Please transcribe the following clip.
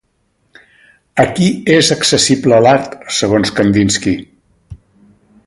A qui és accessible l'art segons Kandinski?